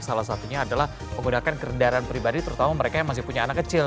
salah satunya adalah menggunakan kendaraan pribadi terutama mereka yang masih punya anak kecil